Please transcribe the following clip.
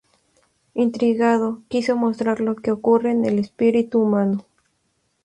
Intrigado, quiso mostrar lo que ocurre en el espíritu humano.